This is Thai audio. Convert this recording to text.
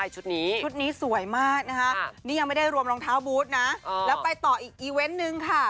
ชุดนี้ชุดนี้สวยมากนะคะนี่ยังไม่ได้รวมรองเท้าบูธนะแล้วไปต่ออีกอีเวนต์นึงค่ะ